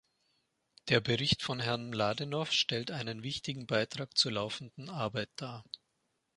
Der Bericht von Herrn Mladenov stellt einen wichtigen Beitrag zur laufenden Arbeit dar.